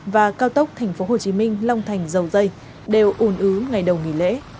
và cao tốc tp hcm long thành dầu dây đều ồn ứ ngày đầu nghỉ lễ